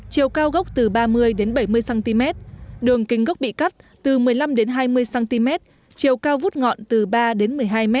chiều cao gốc từ ba mươi đến bảy mươi cm đường kính gốc bị cắt từ một mươi năm hai mươi cm chiều cao vút ngọn từ ba đến một mươi hai m